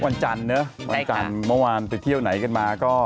วันจันทร์เมื่อวานสักเที่ยวไหนกันมา